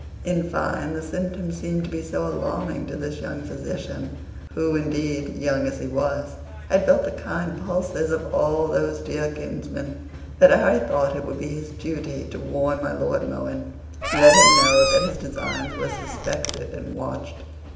In fine, the symptoms seemed to be so alarming to this young physician (who, indeed, young as he was, had felt the kind pulses of all those dear kinsmen), that Harry thought it would be his duty to warn my Lord Mohun, and let him know that his designs were suspected and watched.